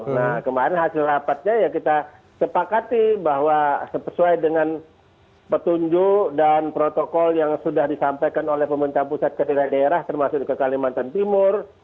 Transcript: nah kemarin hasil rapatnya ya kita sepakati bahwa sesuai dengan petunjuk dan protokol yang sudah disampaikan oleh pemerintah pusat ke daerah termasuk ke kalimantan timur